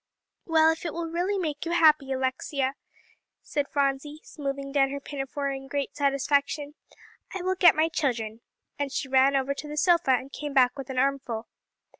"Well, if it will really make you happy, Alexia," said Phronsie, smoothing down her pinafore in great satisfaction, "I will get my children." And she ran over to the sofa, and came back with an armful.